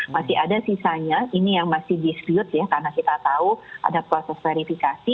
masih ada sisanya ini yang masih dispute ya karena kita tahu ada proses verifikasi